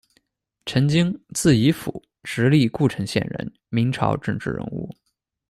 陈旌，字仪甫，直隶故城县人，明朝政治人物。